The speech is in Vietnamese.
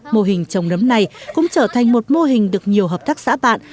mô hình trồng nấm này cũng trở thành một mô hình được nhiều hợp tác xã bạn